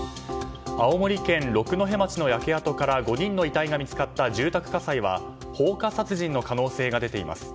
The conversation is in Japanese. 青森県六戸町の焼け跡から５人の遺体が見つかった住宅火災は放火殺人の可能性が出ています。